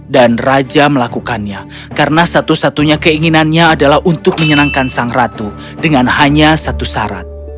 dan raja melakukannya karena satu satunya keinginannya adalah untuk menyenangkan sang ratu dengan hanya satu syarat